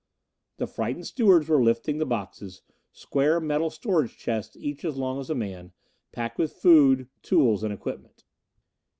The frightened stewards were lifting the boxes, square metal storage chests each as long as a man, packed with food, tools, and equipment.